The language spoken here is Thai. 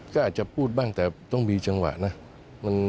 ก็อาจจะพูดบ้างแต่ต้องมีจังหวะนะ